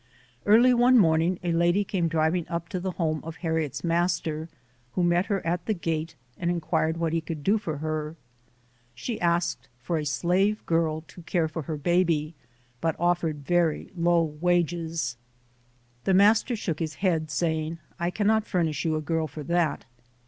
Early one morning a lady came driving up to the home of Harriet's master, who met her at the gate and inquired what he could do for her. She asked for a slave girl to care for her baby, but offered very low wages. The master shook his head, saying, "I can not furnish you a girl for that".